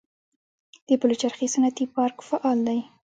د پلچرخي صنعتي پارک فعال دی